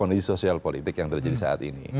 kondisi sosial politik yang terjadi saat ini